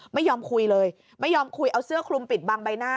ไม่ยอมคุยเลยไม่ยอมคุยเอาเสื้อคลุมปิดบังใบหน้า